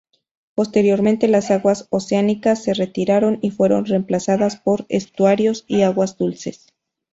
Posteriormente las aguas oceánicas se retiraron y fueron reemplazadas por estuarios y aguas dulces.